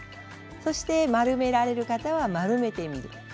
そして丸められる方は丸めてみる。